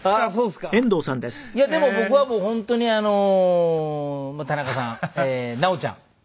いやでも僕は本当にあのまあ田中さん直ちゃん。